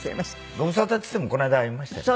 ご無沙汰っつってもこの間会いましたよね。